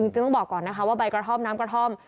ต้องบอกก่อนนะคะว่าใบกระท่อมน้ำกระท่อม